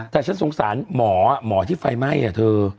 แต่ฉันสงสารหมอหมอที่ไฟไหม้อะเธอ